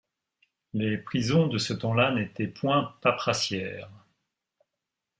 Les prisons de ce temps-là n’étaient point paperassières.